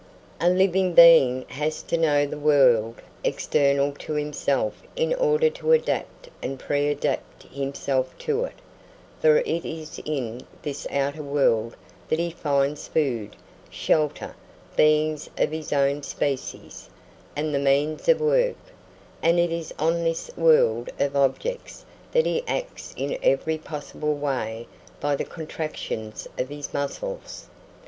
A living being has to know the world external to himself in order to adapt and preadapt himself to it, for it is in this outer world that he finds food, shelter, beings of his own species, and the means of work, and it is on this world of objects that he acts in every possible way by the contractions of his muscles.